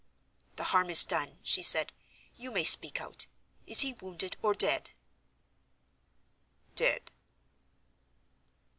"The harm is done," she said; "you may speak out. Is he wounded, or dead?" "Dead."